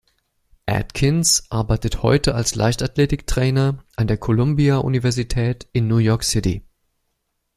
Adkins arbeitet heute als Leichtathletiktrainer an der Columbia-Universität in New York City.